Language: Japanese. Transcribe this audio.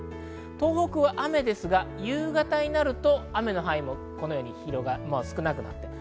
東北は雨ですが、夕方になると雨の範囲も少なくなっています。